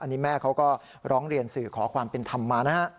อันนี้แม่เขาก็ร้องเรียนสื่อขอความเป็นธรรมมานะฮะ